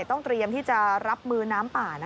ต้องเตรียมรับมือขึ้นน้ำป่า